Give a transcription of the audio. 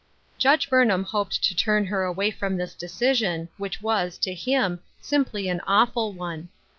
''^ Judge Burnham hoped to turn her away from this decision, which was, to him, simply an awful one